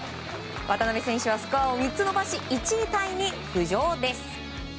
渡邉選手はスコアを３つ伸ばし１位タイに浮上です。